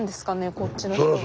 こっちの人が。